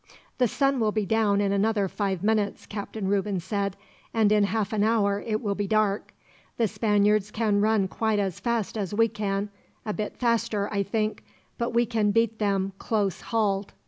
"The sun will be down in another five minutes," Captain Reuben said, "and in half an hour it will be dark. The Spaniards can run quite as fast as we can a bit faster, I think; but we can beat them, close hauled.